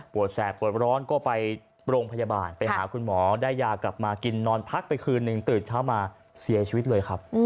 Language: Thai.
แสบปวดร้อนก็ไปโรงพยาบาลไปหาคุณหมอได้ยากลับมากินนอนพักไปคืนหนึ่งตื่นเช้ามาเสียชีวิตเลยครับ